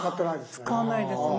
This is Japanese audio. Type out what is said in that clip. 使わないですね。